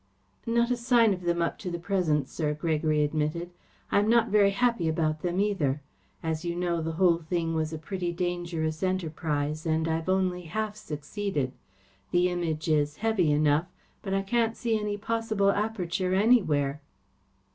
"Not a sign of them up to the present, sir," Gregory admitted. "I am not very happy about them, either. As you know, the whole thing was a pretty dangerous enterprise, and I've only half succeeded. The Image is heavy enough, but I can't see any possible aperture anywhere."